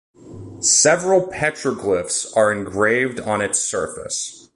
Several petroglyphs are engraved on its surface.